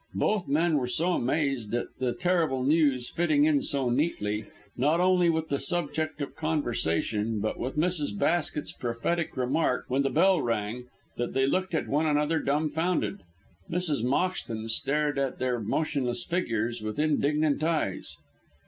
Both men were so amazed at the terrible news fitting in so neatly, not only with the subject of conversation, but with Mrs. Basket's prophetic remark when the bell rang, that they looked at one another dumbfounded. Mrs. Moxton stared at their motionless figures with indignant eyes.